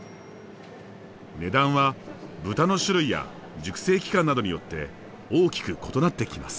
値段は豚の種類や熟成期間などによって大きく異なってきます。